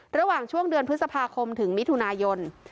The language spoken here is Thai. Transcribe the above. ระหว่างช่วงเดือนพฤษภาคมถึงมิถุนายน